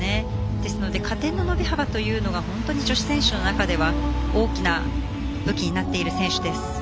ですので加点の伸び幅というのが本当に女子選手の中では大きな武器になっている選手です。